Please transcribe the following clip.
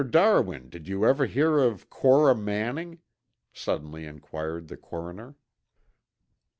Darwin, did you ever hear of Cora Manning?" suddenly inquired the coroner.